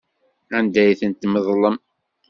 Anda ay tent-tmeḍlem?